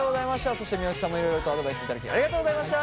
そして三好さんもいろいろとアドバイスいただきありがとうございました。